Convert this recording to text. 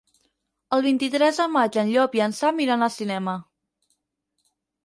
El vint-i-tres de maig en Llop i en Sam iran al cinema.